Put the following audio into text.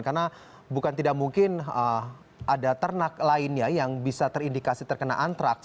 karena bukan tidak mungkin ada ternak lainnya yang bisa terindikasi terkena antraks